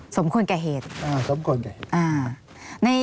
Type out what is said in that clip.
สมควรแก่เหตุอ่าสมควรแก่เหตุอ่า